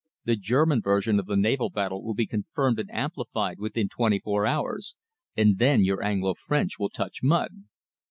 The German version of the naval battle will be confirmed and amplified within twenty four hours, and then your Anglo French will touch mud."